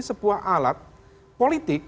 sebuah alat politik